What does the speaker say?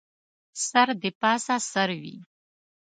سر دې پاسه سر وي